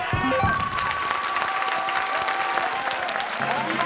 ［お見事！］